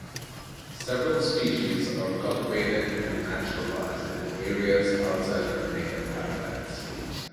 Several species are cultivated and naturalized in areas outside their native habitats.